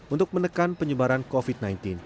untuk menekan penyebaran covid sembilan belas